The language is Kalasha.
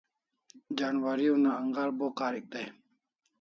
Janwari una angar bo karik dai